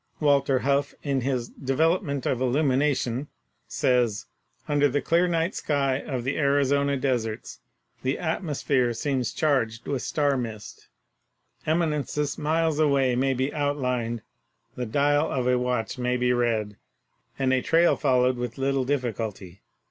Walter Hough, in his 'Development of Illumination,' says : ''Under the clear night sky of the Arizona deserts the atmosphere seems charged with star 70 PHYSICS mist; eminences miles away may be outlined, the dial of a watch may be read, and a trail followed with little dif ficulty.